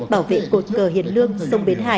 bảo vệ cột cờ hiền lương